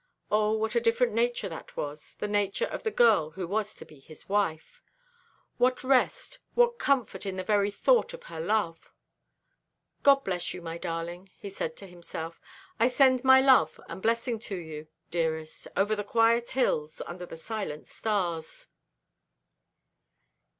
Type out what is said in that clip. O, what a different nature that was, the nature of the girl who was to be his wife! What rest, what comfort in the very thought of her love! "God bless you, my darling," he said to himself. "I send my love and blessing to you, dearest, over the quiet hills, under the silent stars."